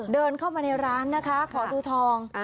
เดินเข้ามาในร้านนะคะขอดูทอง